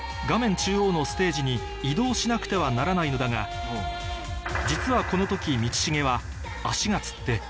中央のステージに移動しなくてはならないのだが実はこの時道重は